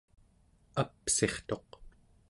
apsirtuq